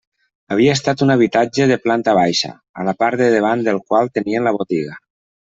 Havia estat un habitatge de planta baixa, a la part de davant del qual tenien la botiga.